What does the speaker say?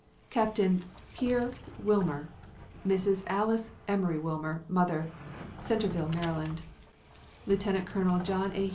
Captain Pere Wilmer; Mrs. Alice Emory Wilmer, mother; Centreville, Md. Lieutenant Colonel John A.